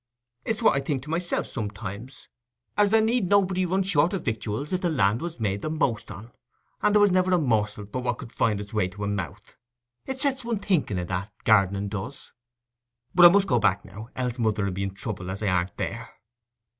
It's what I think to myself sometimes, as there need nobody run short o' victuals if the land was made the most on, and there was never a morsel but what could find its way to a mouth. It sets one thinking o' that—gardening does. But I must go back now, else mother 'ull be in trouble as I aren't there."